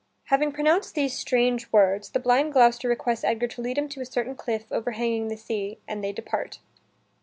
Having pronounced these strange words, the blind Gloucester requests Edgar to lead him to a certain cliff overhanging the sea, and they depart.